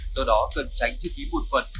do đó cần tránh chính ký một phần